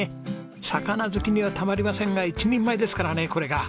魚好きにはたまりませんが１人前ですからねこれが。